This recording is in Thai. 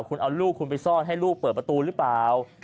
คุณเอาลูกคุณไปซ่อนให้ลูกเปิดประตูหรือเปล่า